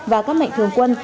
và các mạnh thường quân